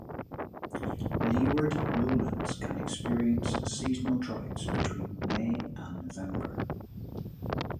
Leeward lowlands can experience seasonal droughts between May and November.